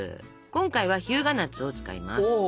今回は日向夏を使います。